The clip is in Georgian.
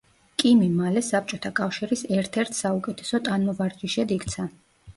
კიმი მალე საბჭოთა კავშირის ერთ-ერთ საუკეთესო ტანმოვარჯიშედ იქცა.